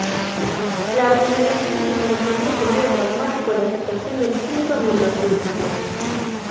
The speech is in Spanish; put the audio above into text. La argumentación tiene como primer objetivo pragmático la aceptación del síndrome en los tribunales.